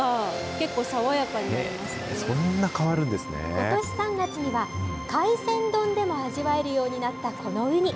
ことし３月には、海鮮丼でも味わえるようになったこのウニ。